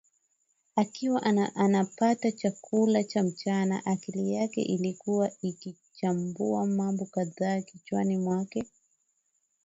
Akiwa anapata chakula cha mchana akili yake ilikuwa ikichambua mambo kadhaa kichwani mwake